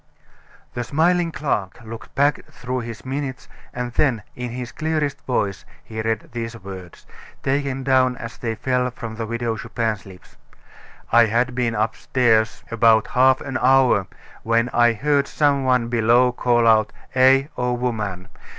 The smiling clerk looked back through his minutes and then, in his clearest voice, he read these words, taken down as they fell from the Widow Chupin's lips: "I had been upstairs about half an hour, when I heard some one below call out 'Eh! old woman.